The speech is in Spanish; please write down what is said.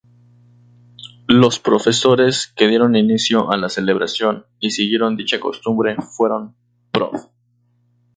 Los profesores que dieron inicio a la Celebración y siguieron dicha costumbre fueron: Prof.